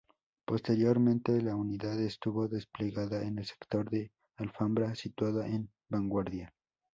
Posteriormente, la unidad estuvo desplegada en el sector de Alfambra, situada en vanguardia.